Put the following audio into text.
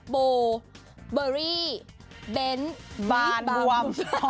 บอเบอรี่เบนบานบว่ำ